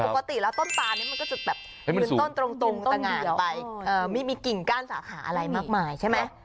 ปกติแล้วต้นตานี้มันก็จะแบบเป็นต้นตรงตะหงาไปไม่มีกิ่งก้านสาขาอะไรมากมายใช่ไหม